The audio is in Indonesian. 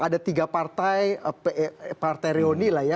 ada tiga partai reuni lah ya